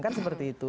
kan seperti itu